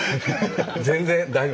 全然大丈夫。